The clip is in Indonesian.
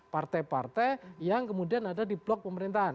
partai partai yang kemudian ada di blok pemerintahan